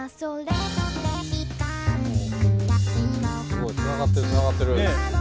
すごいつながってるつながってる。